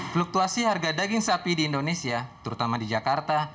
fluktuasi harga daging sapi di indonesia terutama di jakarta